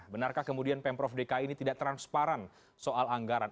benarkah kemudian pemprov dki ini tidak transparan soal anggaran